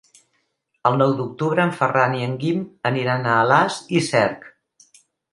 El nou d'octubre en Ferran i en Guim aniran a Alàs i Cerc.